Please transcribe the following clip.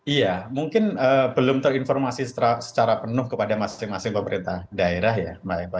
iya mungkin belum terinformasi secara penuh kepada masing masing pemerintah daerah ya mbak eva